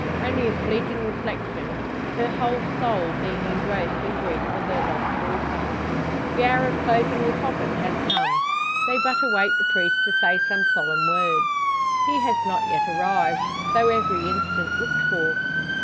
Only a fleeting reflection, her whole soul being engrossed in grief for her lost daughter. The hour for closing the coffin has come. They but await the priest to say some solemn words. He has not yet arrived, though every instant looked for.